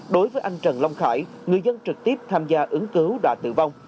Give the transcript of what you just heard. đối với anh trần long khải người dân trực tiếp tham gia ứng cứu đã tử vong